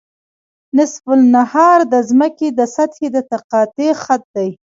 نصف النهار د ځمکې د سطحې د تقاطع خط دی